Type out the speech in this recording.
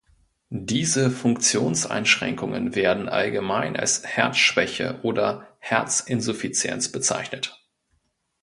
Diese Funktionseinschränkungen werden allgemein als Herzschwäche oder Herzinsuffizienz bezeichnet.